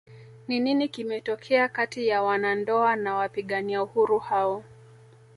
Ni nini kimetokea kati ya wanandoa na wapigania uhuru hao